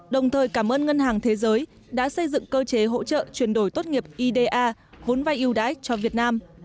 đồng thời cảm ơn ngân hàng thế giới đã xây dựng cơ chế hỗ trợ chuyển đổi tốt nghiệp ida vốn vai yêu đãi cho việt nam